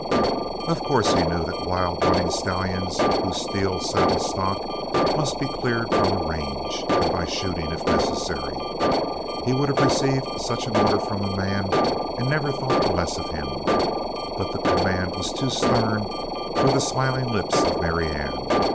Of course he knew that wild running stallions who steal saddle stock must be cleared from a range, and by shooting if necessary. He would have received such an order from a man and never thought the less of him, but the command was too stern for the smiling lips of Marianne.